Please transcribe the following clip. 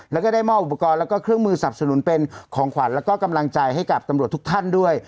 แล้วก็ได้มอบอุปกรณ์แล้วก็เครื่องมือสับสนุนเป็นของขวัญแล้วก็กำลังใจให้กับตำรวจทุกท่านด้วย